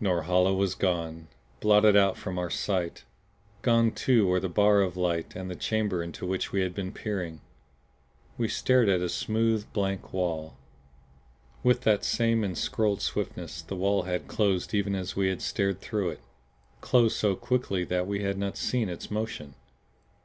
Norhala was gone, blotted out from our sight! Gone too were the bar of light and the chamber into which we had been peering. We stared at a smooth, blank wall. With that same ensorcelled swiftness the wall had closed even as we had stared through it; closed so quickly that we had not seen its motion.